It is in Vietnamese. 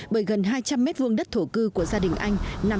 bởi gần hai trăm linh mét vuông đất thổ cư của gia đình anh